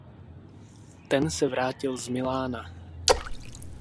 Ten se vrátil z Milána.